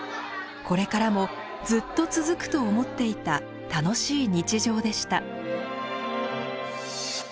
これからもずっと続くと思っていた楽しい日常でした。